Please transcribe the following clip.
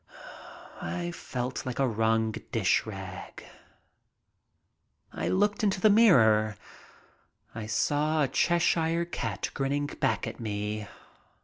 I felt like a wrung dishrag. I looked into the mirror, I saw a Cheshire cat grinning back at me.